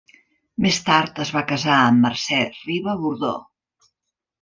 Més tard es va casar amb Mercè Riba Bordó.